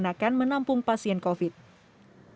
yang diberikan penampungan dan yang diberikan penampungan